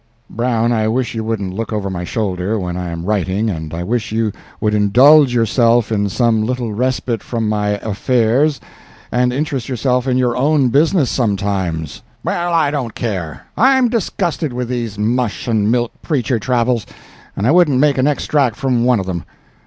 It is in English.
"Brown, I wish you wouldn't look over my shoulder when I am writing and I wish you would indulge yourself in some little respite from my affairs and interest yourself in your own business sometimes." "Well, I don't care. I'm disgusted with these mush and milk preacher travels, and I wouldn't make an extract from one of them.